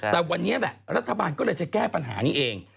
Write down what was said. แต่วันนี้แหละรัฐบาลก็เลยจะแก้ปัญหานี้เอง